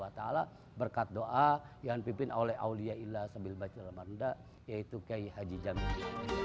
alhamdulillah berkat doa yang dipimpin oleh auliyahillah s w t yaitu qiyai haji jami'in